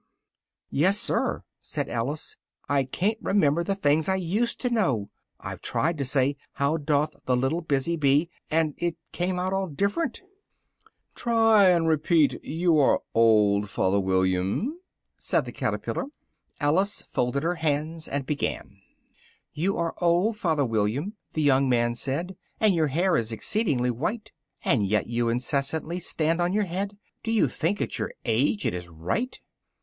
"Yes, sir," said Alice, "I ca'n't remember the things I used to know I've tried to say "How doth the little busy bee" and it came all different!" "Try and repeat "You are old, father William"," said the caterpillar. Alice folded her hands, and began: 1. "You are old, father William," the young man said, "And your hair is exceedingly white: And yet you incessantly stand on your head Do you think, at your age, it is right?"